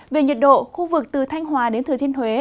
về nhiệt độ khu vực từ thanh hòa đến thừa thiên huế